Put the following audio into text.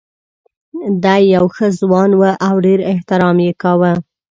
دی یو ښه ځوان و او ډېر احترام یې کاوه.